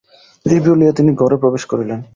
এই বলিয়া তিনি ঘরে প্রবেশ করিলেন।